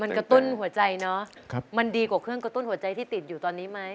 มันกระตุ้นหัวใจเนอะมันดีกว่าเครื่องกระตุ้นหัวใจที่ติดอยู่ตอนนี้ไหม